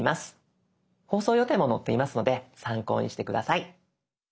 放送予定も載っていますので参考にして下さい。